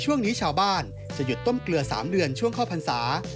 ช่วงนี้ชาวบ้านจะหยุดต้มเกลือ๓เดือนช่วงเข้าพรรษา